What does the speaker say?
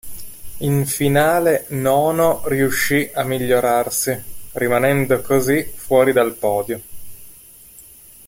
In finale nono riuscì a migliorarsi, rimanendo così fuori dal podio.